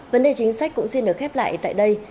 vấn đề chính sách cũng xin được khép lại tại đây